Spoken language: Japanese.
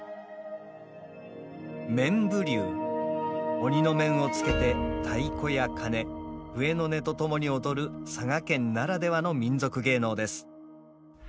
鬼の面をつけて太鼓や鉦笛の音と共に踊る佐賀県ならではの民俗芸能です。